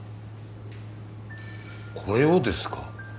これをですか？